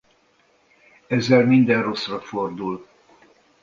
Ezzel minden rosszra fordul.